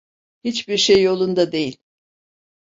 Hiçbir şey yolunda değil.